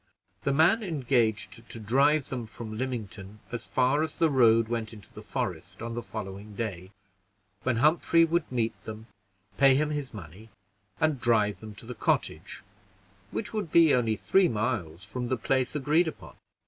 The man engaged to drive them from Lymington as far as the road went into the forest, on the following day, when Humphrey would meet them, pay him his money, and drive them to the cottage, which would be only three miles from the place agreed upon.